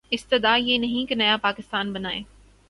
استدعا یہ نہیں کہ نیا پاکستان بنائیں۔